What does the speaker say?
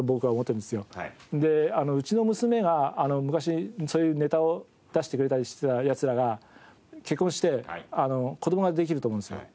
でうちの娘が昔そういうネタを出してくれたりしてた奴らが結婚して子どもができると思うんですよ。